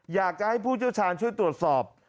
อยากจะให้ผู้เชี่ยวชาญช่วยตรวจสอบ